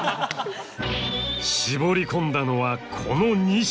絞り込んだのはこの２社。